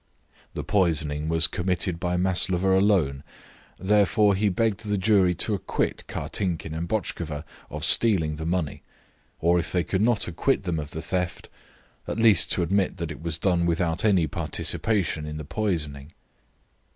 The poisoning was committed by Maslova alone; therefore he begged the jury to acquit Kartinkin and Botchkova of stealing the money; or if they could not acquit them of the theft, at least to admit that it was done without any participation in the poisoning.